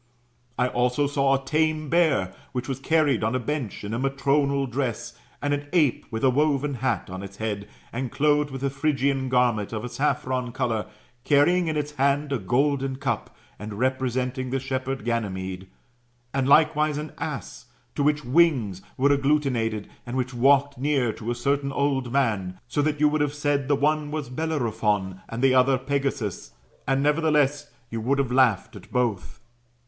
I also saw a tame bear^ which was carried on a bench, in a matronal dress ; and an ape with a woven hat on its head, and clothed with a Phrygian gar ment of a saffron colour, carrying in its hand a golden cup, and representing the shepherd Ganymede ; and likewise an ass, to which wings werft agglutinated, and which walked near to a cer tain old man ; so that you would have said that the one was Bellerophon, but the other Pegasus.; and, nevertheless, you would have laughed at both.